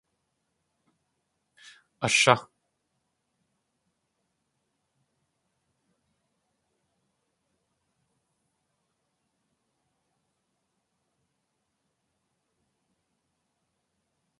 Ashá!